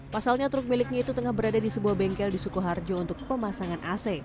pasalnya truk miliknya itu tengah berada di sebuah bengkel di sukoharjo untuk pemasangan ac